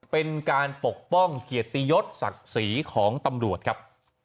เป็นการปกป้องเกียรติยศศักดิ์ศรีของตำรวจครับ